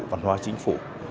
văn hóa chính phủ